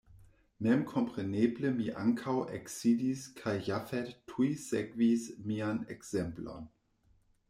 Memkompreneble mi ankaŭ eksidis kaj Jafet tuj sekvis mian ekzemplon.